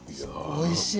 おいしい。